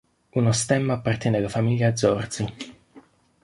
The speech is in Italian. Uno stemma appartiene alla famiglia Zorzi.